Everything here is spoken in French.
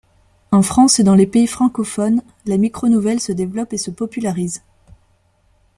En France et dans les pays francophones, la micronouvelle se développe et se popularise.